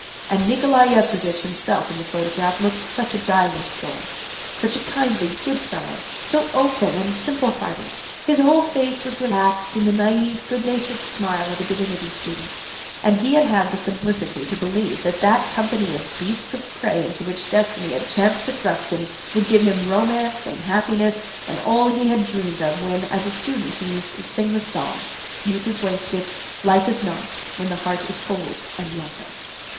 And Nikolay Yevgrafitch himself in the photograph looked such a guileless soul, such a kindly, good fellow, so open and simple hearted; his whole face was relaxed in the naïve, good natured smile of a divinity student, and he had had the simplicity to believe that that company of beasts of prey into which destiny had chanced to thrust him would give him romance and happiness and all he had dreamed of when as a student he used to sing the song "Youth is wasted, life is nought, when the heart is cold and loveless."